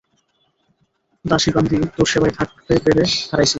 দাসী বান্দী তোর সেবায় থাকপে রে খারাইয়া।